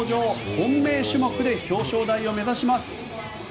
本命種目で表彰台を目指します。